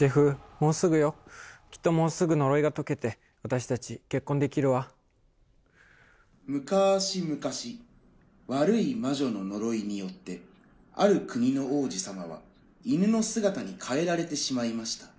もうすぐよきっともうすぐ呪いがとけて私達結婚できるわ昔昔悪い魔女の呪いによってある国の王子様は犬の姿に変えられてしまいました